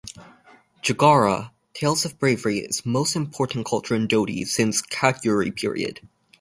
Jagara, tales of bravery is most important culture in Doti since Katyuri period.